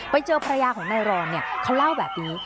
ไปเจอภรรยาของนายรอนเนี่ยเขาเล่าแบบนี้